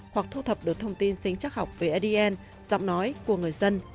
hoặc thu thập được thông tin sinh chắc học về adn giọng nói của người dân